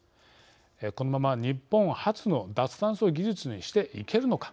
このまま日本発の脱炭素技術にしていけるのか